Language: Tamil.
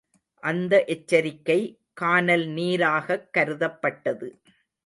அந்த எச்சரிக்கை கானல் நீராகக்கருதப்பட்டது.